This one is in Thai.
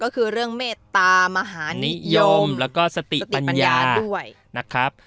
คือเรื่องเมตตามหานิยมสติปัญญา